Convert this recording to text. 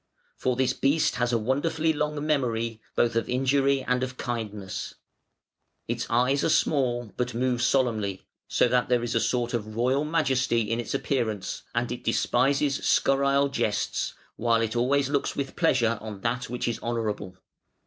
For this beast has a wonderfully long memory, both of injury and of kindness. Its eyes are small but move solemnly, so that there is a sort of royal majesty in its appearance: and it despises scurrile jests, while it always looks with pleasure on that which is honourable".